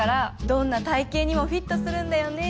どんな体形にもフィットするんだよね！